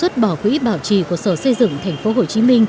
tổ quỹ bảo trì của sở xây dựng tp hcm